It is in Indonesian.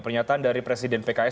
pernyataan dari presiden pks